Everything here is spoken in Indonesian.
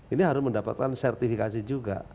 ini harus mendapatkan sertifikasi juga